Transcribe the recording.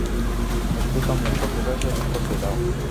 একটু থামো, কথাটা শেষ করতে দাও।